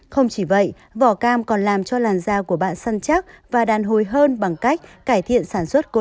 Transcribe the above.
không chỉ vậy vỏ cam còn làm cho làn da của bạn săn chắc và đàn hồi hơn bằng cách cải thiện sản xuất cốm